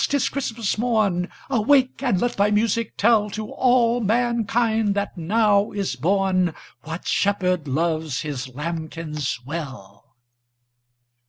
't is Christmas morn Awake and let thy music tell To all mankind that now is born What Shepherd loves His lambkins well!"